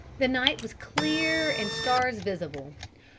The night was clear and stars visible.